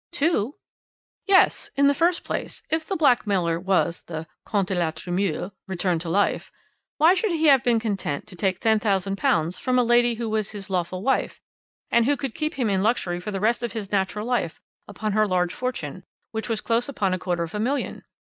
"Two?" "Yes. In the first place, if the blackmailer was the 'Comte de la Tremouille' returned to life, why should he have been content to take £10,000 from a lady who was his lawful wife, and who could keep him in luxury for the rest of his natural life upon her large fortune, which was close upon a quarter of a million?